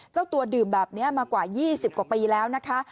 เจ้าตัวดื่มแบบนี้มากว่า๒๐กว่าปีแล้วนะคะ